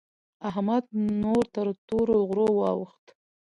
احمد نور تر تورو غرو واوښت.